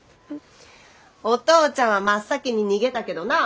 お父ちゃんは真っ先に逃げたけどな。